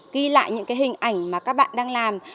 ghi lại những cái hình ảnh mà các bạn đang làm